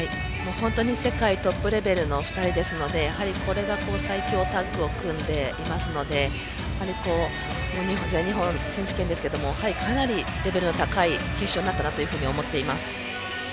世界トップレベルの２人ですのでこれが最強タッグを組んでいますので全日本選手権ですけどもかなりレベルの高い決勝になったなというふうに思っています。